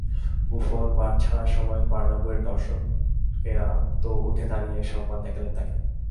Buffon মাঠ ছাড়ার সময় বার্নাব্যুর দর্শকেরা তো উঠে দাঁড়িয়ে সম্মান দেখালেন তাঁকে।